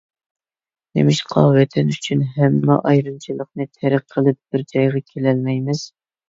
نېمىشقا ۋەتەن ئۈچۈن ھەممە ئايرىمىچىلىقنى تەرك قىلىپ بىر جايغا كېلەلمەيمىز؟!